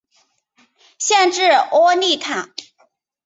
县治窝利卡。